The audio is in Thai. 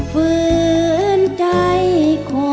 ไม่ใช้ค่ะ